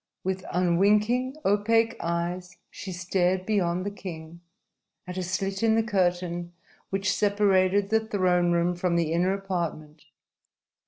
With unwinking, opaque eyes, she stared beyond the king, at a slit in the curtain which separated the throne room from the inner apartment.